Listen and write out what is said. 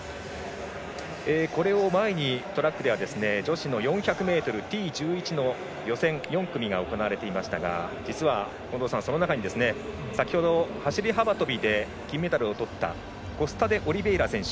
これを前にトラックでは女子の４００ｍＴ１１の予選４組が行われていましたが実は近藤さん、その中に先ほど走り幅跳びで金メダルをとったコスタデオリベイラ選手